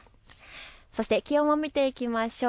そして気温を見ていきましょう。